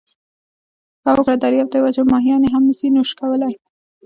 ښه وکړه درياب ته یې واچوه، ماهيان يې هم نسي نوش کولای.